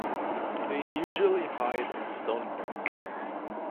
They usually hide in stone cracks.